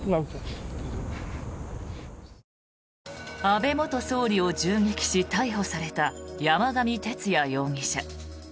安倍元総理を銃撃し逮捕された山上徹也容疑者。